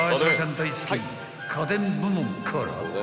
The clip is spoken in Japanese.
大好き家電部門から］